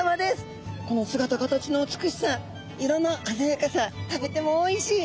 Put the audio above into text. この姿形の美しさ色のあざやかさ食べてもおいしい！